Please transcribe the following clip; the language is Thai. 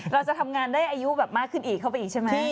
เราจะทำงานได้อายุแบบมากขึ้นอีกเข้าไปอีกใช่ไหม